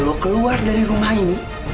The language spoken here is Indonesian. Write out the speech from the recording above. lo keluar dari rumah ini